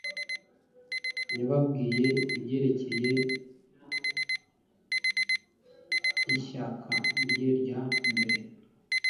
Yababwiye ibyerekeranye n’ishyaka rye rya mbere